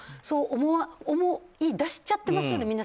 そう思い出しちゃってますよね。